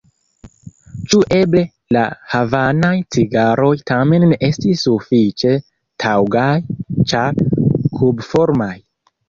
Ĉu eble la havanaj cigaroj tamen ne estis sufiĉe taŭgaj ĉar kubformaj?